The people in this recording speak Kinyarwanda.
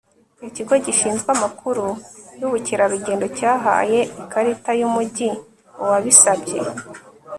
ikigo gishinzwe amakuru yubukerarugendo cyahaye ikarita yumujyi uwabisabye